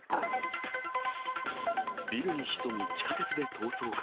ビルに潜み、地下鉄で逃走か。